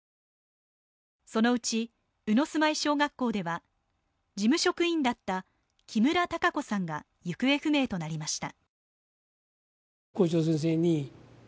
そのうち、鵜住居小学校では、事務職員だった木村タカ子さんが行方不明となりました。